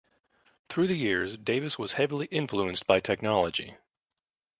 Through the years, Davis was heavily influenced by technology.